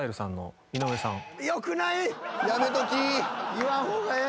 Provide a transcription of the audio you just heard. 言わん方がええ。